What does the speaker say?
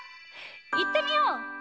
いってみよう！